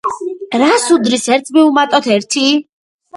რას უდრის ერთს მივუმატოთ ერთი?